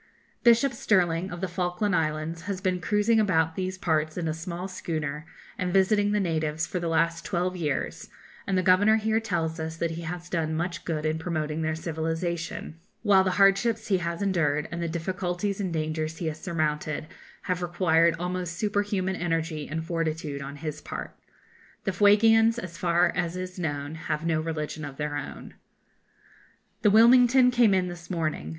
] Bishop Stirling, of the Falkland Islands, has been cruising about these parts in a small schooner, and visiting the natives, for the last twelve years, and the Governor here tells us that he has done much good in promoting their civilisation; while the hardships he has endured, and the difficulties and dangers he has surmounted, have required almost superhuman energy and fortitude on his part. The Fuegians, as far as is known, have no religion of their own. The 'Wilmington' came in this morning.